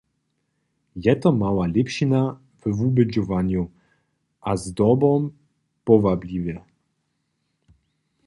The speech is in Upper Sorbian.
To je mała lěpšina we wubědźowanju a zdobom powabliwe.